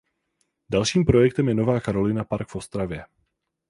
Dalším projektem je Nová Karolina Park v Ostravě.